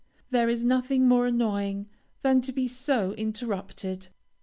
There is nothing more annoying than to be so interrupted.